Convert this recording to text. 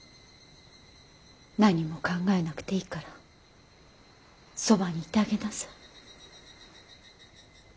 何も考えなくていいからそばにいてあげなさい。